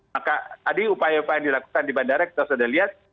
maka tadi upaya upaya yang dilakukan di bandara kita sudah lihat